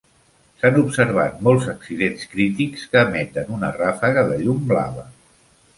S'han observat molts accidents crítics que emeten una ràfega de llum blava.